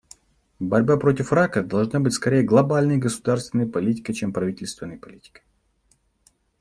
Борьба против рака должна быть скорее глобальной государственной политикой, чем правительственной политикой.